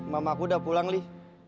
mamaku udah pulang li